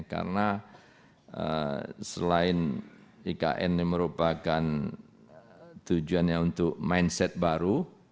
karena selain ikn ini merupakan tujuannya untuk mindset baru